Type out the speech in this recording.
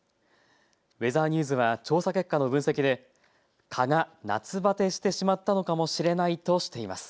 ウェザーニューズは調査結果の分析で蚊が夏バテしてしまったのかもしれないとしています。